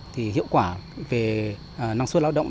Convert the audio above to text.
thì hiệu quả về năng suất lao động